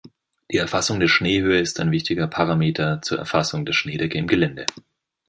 Die Erfassung der Schneehöhe ist ein wichtiger Parameter zur Erfassung der Schneedecke im Gelände.